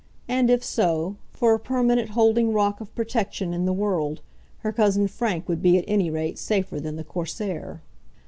And if so, for a permanent holding rock of protection in the world, her cousin Frank would be at any rate safer than the Corsair.